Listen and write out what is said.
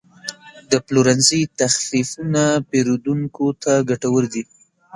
د پلورنځي تخفیفونه پیرودونکو ته ګټور دي.